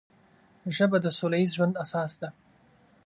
ژبه د سوله ییز ژوند اساس ده